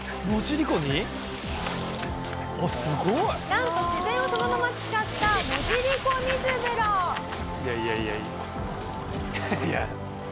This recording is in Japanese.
なんと自然をそのまま使ったいやいやいやいや。いや。